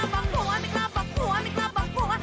มีคลาบังคัว